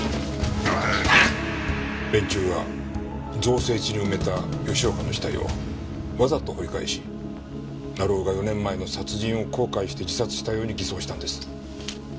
連中は造成地に埋めた吉岡の死体をわざと掘り返し成尾が４年前の殺人を後悔して自殺したように偽装したんです。